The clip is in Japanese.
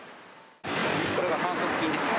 これが反則金ですね。